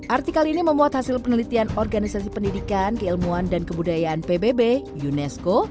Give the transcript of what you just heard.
artikel ini memuat hasil penelitian organisasi pendidikan keilmuan dan kebudayaan pbb unesco